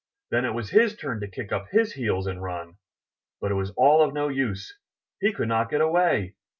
Then it was his turn to kick up his heels and run! But it was all of no use. He could not get away.